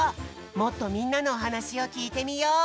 もっとみんなのおはなしをきいてみよう。